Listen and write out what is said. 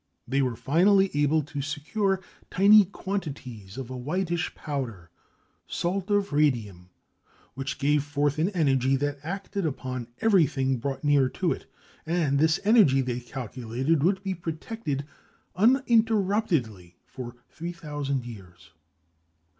They were finally able to secure tiny quantities of a whitish powder, salt of radium, which gave forth an energy that acted upon everything brought near to it and this energy they calculated, would be protected uninterruptedly for three thousand years.